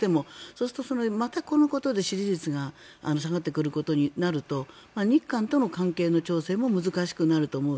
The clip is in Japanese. そうすると、またこのことで支持率が下がってくることになると日韓との関係の調整も難しくなると思う。